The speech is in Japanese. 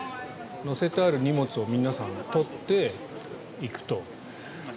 載せてある荷物を皆さん、取って、行くと。